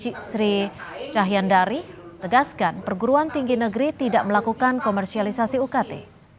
sri cahyandari tegaskan perguruan tinggi negeri tidak melakukan komersialisasi ukt